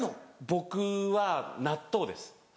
僕は納豆です。